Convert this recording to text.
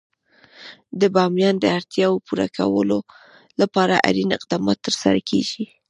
د بامیان د اړتیاوو پوره کولو لپاره اړین اقدامات ترسره کېږي.